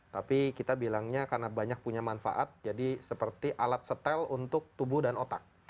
tapi kita bilangnya karena banyak punya manfaat jadi seperti alat setel untuk tubuh dan otak